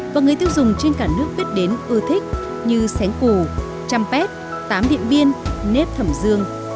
và người tiêu dùng trên cả nước biết đến ưa thích như sén củ trăm pét tám điện viên nếp thẩm dương